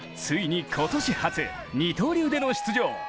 ついに今年初、二刀流での出場。